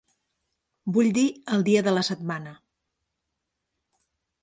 Vull dir el dia de la setmana.